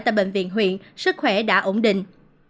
tại bệnh viện huyện sức khỏe đã ổn định